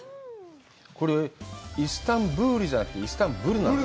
これ、イスタンブールじゃなくてイスタンブルなの？